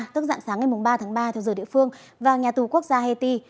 tức dặn sáng ngày ba tháng ba theo giờ địa phương và nhà tù quốc gia haiti